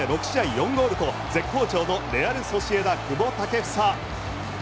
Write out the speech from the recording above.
４ゴールと絶好調のレアル・ソシエダ久保建英。